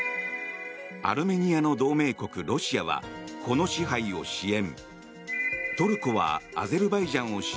アルメニアの同盟国、ロシアはこの支配を支援。